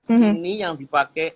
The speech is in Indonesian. ini yang dipakai